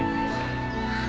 あっ。